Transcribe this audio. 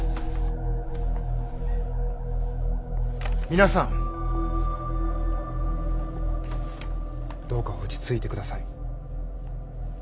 皆さんどうか落ち着いてください。